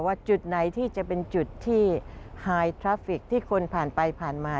จุดไหนที่จะเป็นจุดที่ไฮทราฟิกที่คนผ่านไปผ่านมา